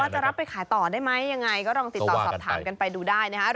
จะรับไปขายต่อได้ไหมยังไงก็ลองติดต่อสอบถามกันไปดูได้นะครับ